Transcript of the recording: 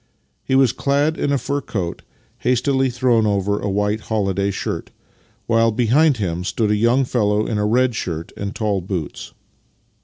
He was clad in a fur coat, hastily thrown over a white holiday shirt, while behind him stood a young fellow in a red shirt and tall boots.